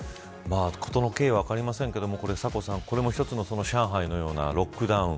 事の経緯は分かりませんがサコさん、これも一つの上海のようなロックダウン